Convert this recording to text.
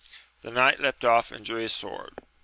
The knight leapt off and drew his sword.